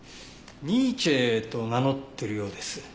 ニーチェと名乗ってるようです。